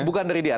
bukan dari dia